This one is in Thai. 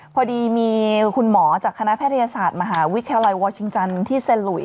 พอดีมีคุณหมอจากคณะแพทยศาสตร์มหาวิทยาลัยวอร์ชิงจันทร์ที่เซ็นหลุย